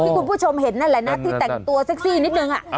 คุณผู้ชมเห็นนั่นแหละนะที่แต่งตัวเซ็กซี่นิดนึง